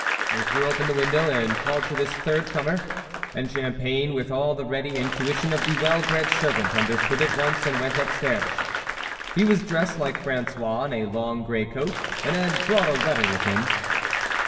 They threw open the window and called to this third comer, and Champagne, with all the ready intuition of the well bred servant, understood at once, and went up stairs. He was dressed, like Fra^ois, in a long grey coat, and had brought a letter with him.